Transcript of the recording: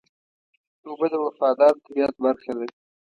اوبه د وفادار طبیعت برخه ده.